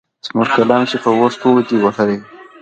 زموږ قلم چي يې په اوښکو دی وهلی